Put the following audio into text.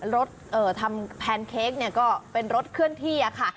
รถทำแพนเค้กก็เป็นรถเคลื่อนที่ค่ะ